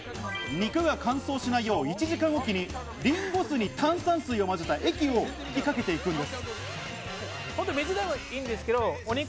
肉が乾燥しないよう１時間おきにりんご酢に炭酸水を混ぜた液を吹きかけていくんです。